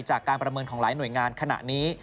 จากการประเมินของหลายหน่วยงานขณะนี้